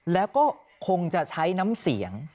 แล้วก็คงจะใช้น้ำเสียง